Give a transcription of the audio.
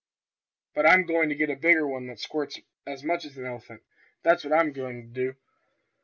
But I'm goin' to get a bigger one that squirts as much as a elephant, that's what I goin' to do.